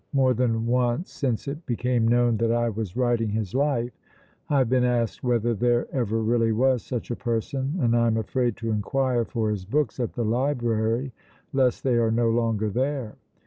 More than once since it became known that I was writing his life I have been asked whether there ever really was such a person, and I am afraid to inquire for his books at the library lest they are no longer there.